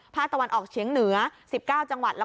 ภาคตะวันออกเฉียงเหนือ๑๙จังหวัด